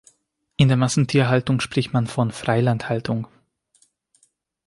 In der Massentierhaltung spricht man von Freilandhaltung.